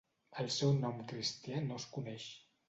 El seu nom cristià no es coneix.